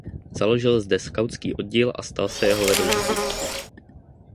Založil zde skautský oddíl a stal se jeho vedoucím.